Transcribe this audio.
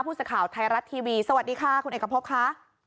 ผู้สื่อข่าวไทยรัฐทีวีสวัสดีค่ะคุณเอกพบค่ะ